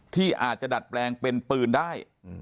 ที่อาจจะดัดแปลงเป็นปืนได้